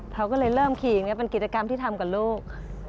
เขาก็เลยเริ่มขี่อย่างนี้เป็นกิจกรรมที่ทำกับลูก